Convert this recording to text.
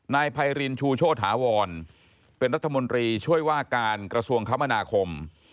นายไพรินชูโชธาวรเป็นรัฐมนตรีช่วยว่าการกระทรวงคมนาคม